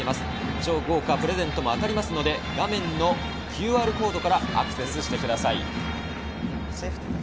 超豪華プレゼントも当たるので画面のＱＲコードからアクセスしてください。